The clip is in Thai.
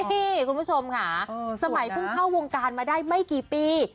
นี่คุณผู้ชมค่ะสมัยเพิ่งเข้าวงการมาได้ไม่กี่ปี